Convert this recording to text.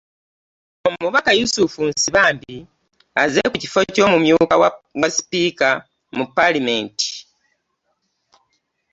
Omubaka Yusufu Nsibambi azze ku kifo ky'omumyuka wa sipiika mu ppaalamenti